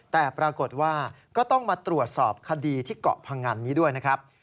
แต่ปรากฏว่าก็ต้องมาตรวจสอบคดีที่เกาะพงันนี้ด้วยนะครับ